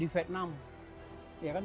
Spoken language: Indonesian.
dia pernah berverak di vietnam